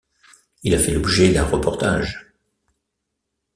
Il a fait l'objet d'un reportage.